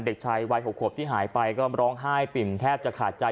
เด็กชายวัย๖ขวบที่หายไปก็ร้องไห้ปิ่มแทบจะขาดใจ